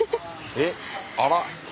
えっあら？